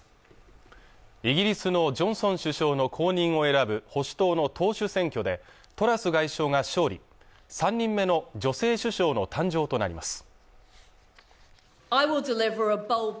イギリスのジョンソン首相の後任を選ぶ保守党の党首選挙でトラス外相が勝利３人目の女性首相の誕生となります